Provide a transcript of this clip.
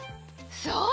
そう！